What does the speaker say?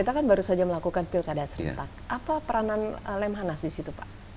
apa peranan lemhanas disitu